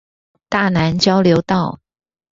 大湳交流道